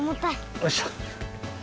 おいしょ。